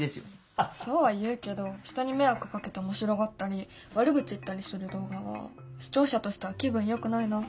そうは言うけど人に迷惑をかけて面白がったり悪口言ったりする動画は視聴者としては気分よくないな。